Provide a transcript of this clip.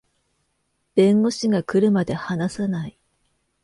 弁護士が来るまで話さない